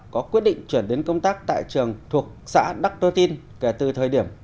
có quyết định chuyển đến công tác tại trường thuộc xã đắc rơ tin kể từ thời điểm